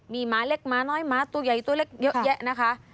มีหมาเล็กหมาน้อยหมาตัวใหญ่ตัวเล็กเยอะแยะนะคะ